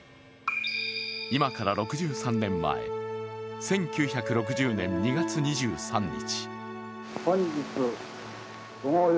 今から６３年前、１９６０年２月２３日。